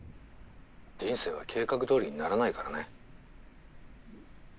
人生は計画通りにならないからね。